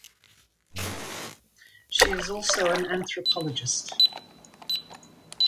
She is also an anthropologist.